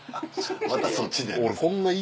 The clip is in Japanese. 「またそっちで」？